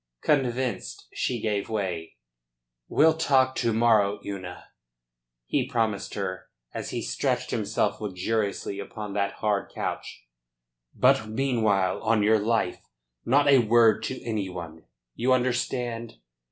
Convinced, she gave way. "We'll talk to morrow, Una," he promised her, as he stretched himself luxuriously upon that hard couch. "But meanwhile, on your life, not a word to any one. You understand?"